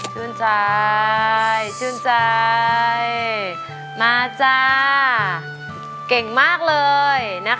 คุณยายแดงคะทำไมต้องซื้อลำโพงและเครื่องเสียง